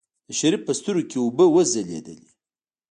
د شريف په سترګو کې اوبه وځلېدلې.